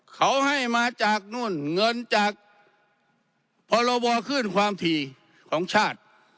เขาให้มาจากนู่นเงินจากพรบขึ้นความถี่ของชาติ